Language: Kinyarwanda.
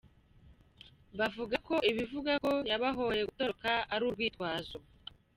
Bavuga ko ibivugwa ko yabahoye gutoroka ari urwitwazo.